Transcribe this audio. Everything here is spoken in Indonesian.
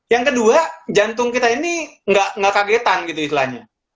yang kedua jantung kita ini nggak kagetan gitu istilahnya